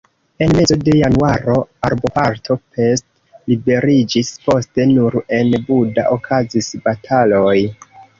En mezo de januaro urboparto Pest liberiĝis, poste nur en Buda okazis bataloj.